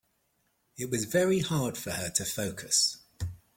It was very hard for her to focus.